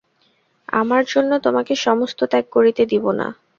আমার জন্য তোমাকে সমস্ত ত্যাগ করিতে দিব না।